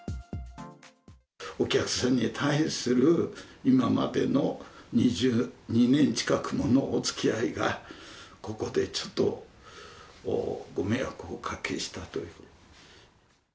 お客さんに対する今までの２２年近くものおつきあいが、ここでちょっとご迷惑をおかけしたという。